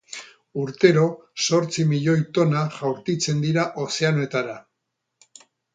Urtero zortzi milioi tona jaurtitzen dira ozeanoetara.